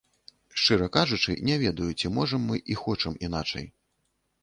Шчыра кажучы, не ведаю, ці можам мы і хочам іначай.